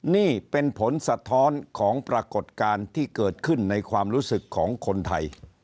นี่เป็นผลสะท้อนของปรากฏการณ์ที่เกิดขึ้นในความรู้สึกของคนไทย